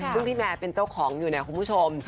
ซึ่งพี่แมร์เป็นเจ้าของอยู่เนี่ยคุณผู้ชม